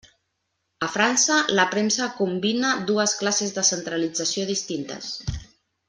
A França, la premsa combina dues classes de centralització distintes.